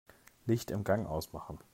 Licht im Gang ausmachen.